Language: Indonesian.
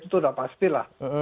itu sudah pasti lah